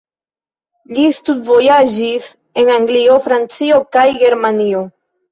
Li studvojaĝis en Anglio, Francio kaj Germanio.